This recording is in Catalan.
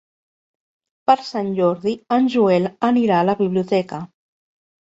Per Sant Jordi en Joel anirà a la biblioteca.